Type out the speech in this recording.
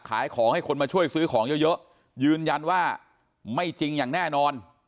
ขายของให้คนมาช่วยซื้อของเยอะเยอะยืนยันว่าไม่จริงอย่างแน่นอน